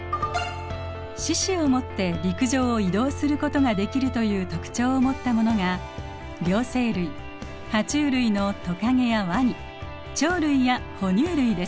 四肢をもって陸上を移動することができるという特徴をもったものが両生類ハチュウ類のトカゲやワニ鳥類や哺乳類です。